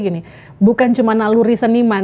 gini bukan cuma naluri seniman